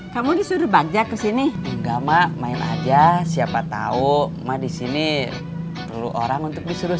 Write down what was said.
kamu disuruh banjak kesini enggak mak main aja siapa tahu ma di sini perlu orang untuk disuruh